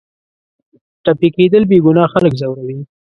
ټپي کېدل بېګناه خلک ځوروي.